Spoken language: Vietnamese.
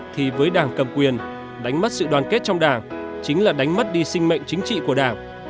thì với đảng cầm quyền đánh mất sự đoàn kết trong đảng chính là đánh mất đi sinh mệnh chính trị của đảng